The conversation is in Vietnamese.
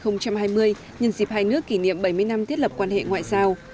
nhân dịp hai nước kỷ niệm bảy mươi năm thiết lập quan hệ ngoại giao